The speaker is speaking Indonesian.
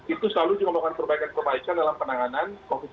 itu selalu juga melakukan perbaikan perbaikan dalam penanganan covid sembilan belas